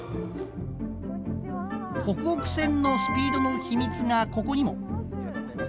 ほくほく線のスピードの秘密がここにも。